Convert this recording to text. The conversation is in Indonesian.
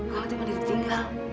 kamu tuh mandiri tinggal